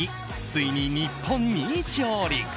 ついに日本に上陸。